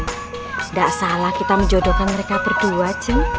tidak salah kita menikahkan mereka berdua den